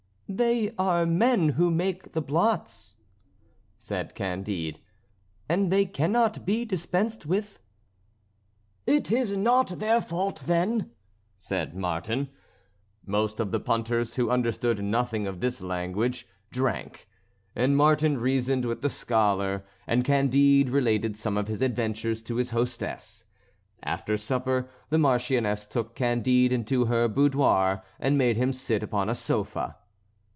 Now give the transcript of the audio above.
"They are men who make the blots," said Candide, "and they cannot be dispensed with." "It is not their fault then," said Martin. Most of the punters, who understood nothing of this language, drank, and Martin reasoned with the scholar, and Candide related some of his adventures to his hostess. After supper the Marchioness took Candide into her boudoir, and made him sit upon a sofa.